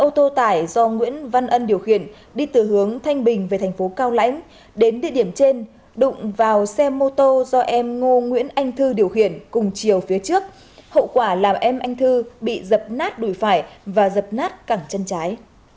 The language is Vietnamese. ô tô tải do nguyễn văn ân điều khiển đi từ hướng thanh bình về thành phố cao lãnh đến địa điểm trên đụng vào xe mô tô do em ngô nguyễn anh thư điều khiển cùng chiều phía trước hậu quả làm em anh thư bị dập nát đùi phải và dập nát cẳng chân trái